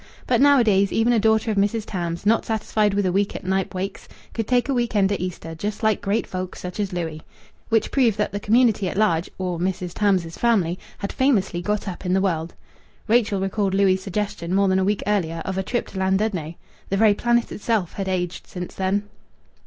But nowadays even a daughter of Mrs. Tams, not satisfied with a week at Knype Wakes, could take a week end at Easter just like great folk such as Louis. Which proved that the community at large, or Mrs. Tams's family, had famously got up in the world. Rachel recalled Louis' suggestion, more than a week earlier, of a trip to Llandudno. The very planet itself had aged since then.